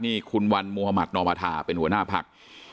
นี่คุณวันมุธมัธนอมธาเป็นหัวหน้าพัก